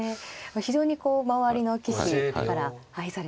非常にこう周りの棋士から愛されている。